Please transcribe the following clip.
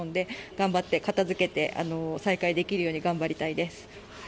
頑張って、片付けて再開できるように頑張りたいです。